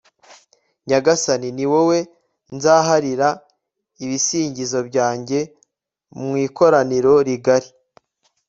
nyagasani, ni wowe nzaharira ibisingizo byanjye mu ikoraniro rigari